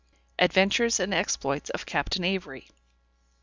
ADVENTURES AND EXPLOITS OF CAPTAIN AVERY.